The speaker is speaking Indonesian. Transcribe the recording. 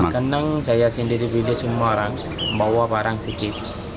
keneng saya sendiri pilih semua orang bawa barang sedikit